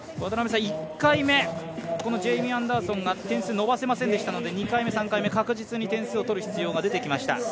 １回目、ジェイミー・アンダーソンが点数を伸ばせませんでしたので２回目、３回目、確実に点数を取る必要が出てきました。